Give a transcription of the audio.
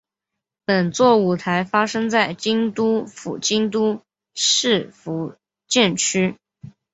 本作舞台发生在京都府京都市伏见区。